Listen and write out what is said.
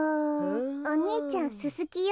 お兄ちゃんススキよ。